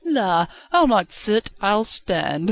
"La! I'll not sit, I'll stand!"